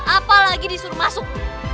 apalagi disuruh masuk